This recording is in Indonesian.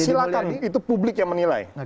silahkan itu publik yang menilai